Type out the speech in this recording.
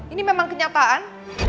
ini memang kenyataan